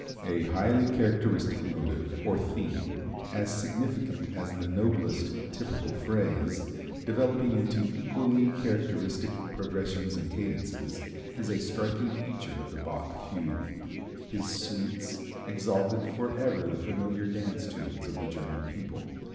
A highly characteristic motive, or theme, as significant as the noblest "typical phrase," developing into equally characteristic progressions and cadences, is a striking feature of the Bach fugue. His "Suites" exalted forever the familiar dance tunes of the German people.